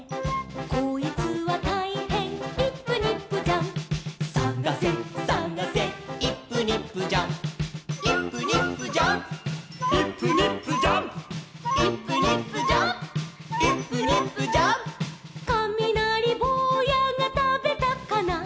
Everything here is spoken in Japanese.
「こいつはたいへんイップニップジャンプ」「さがせさがせイップニップジャンプ」「イップニップジャンプイップニップジャンプ」「イップニップジャンプイップニップジャンプ」「かみなりぼうやがたべたかな」